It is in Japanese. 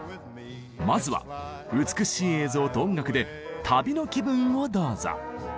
まずは美しい映像と音楽で旅の気分をどうぞ。